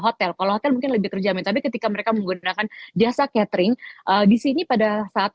hotel kalau hotel mungkin lebih terjamin tapi ketika mereka menggunakan jasa catering disini pada saat